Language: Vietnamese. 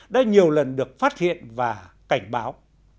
đã nhiều lần được phát hiện và cảnh báo